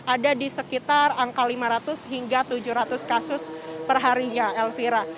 ada di sekitar angka lima ratus hingga tujuh ratus kasus perharinya elvira